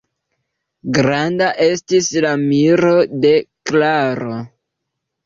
Granda estis la miro de Klaro.